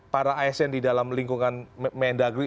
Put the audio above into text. para asn di dalam lingkungan mendagri